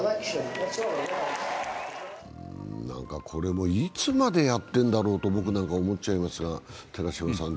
これも、いつまでやってるんだろうと僕なんか思っちゃうんですが。